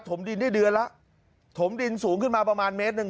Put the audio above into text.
ดินได้เดือนละถมดินสูงขึ้นมาประมาณเมตรหนึ่ง